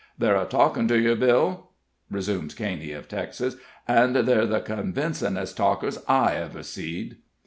"They're a talkin' to yer, Bill," resumed Caney, of Texas, "an' they're the convincenist talkers I ever seed."